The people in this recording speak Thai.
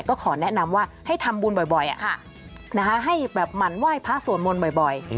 ก็ขอแนะนำว่าให้ทำบุญบ่อยให้แบบหมั่นไหว้พระสวดมนต์บ่อย